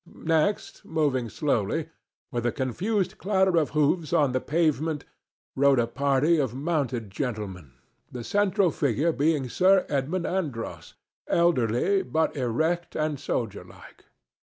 Next, moving slowly, with a confused clatter of hoofs on the pavement, rode a party of mounted gentlemen, the central figure being Sir Edmund Andros, elderly, but erect and soldier like.